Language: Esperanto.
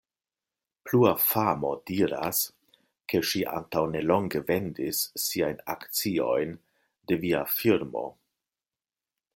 Plua famo diras, ke ŝi antaŭ nelonge vendis siajn akciojn de via firmo.